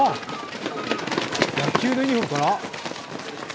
野球のユニフォームかな？